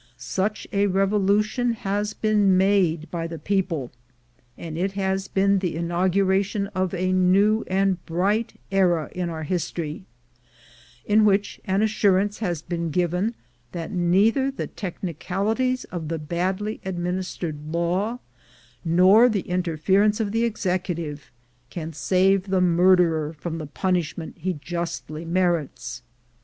Such a revo lution has been made by the people, and it has been the inauguration of a new and bright era in our his tory, in which an assurance has been given that neither the technicalities of a badly administered law, nor the Interference of the Executive, can save the mur derer from the punishment he justly merits.